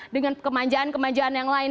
dengan kemanjaan kemanjaan yang lain